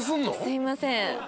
すいません。